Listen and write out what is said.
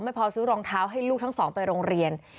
พอซื้อรองเท้าให้ลูกทั้งสองไปโรงเรียน